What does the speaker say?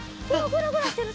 グラグラしてる。